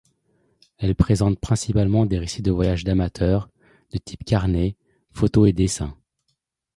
Elle présente principalement des récits de voyages d'amateurs, de type carnet, photos et dessins.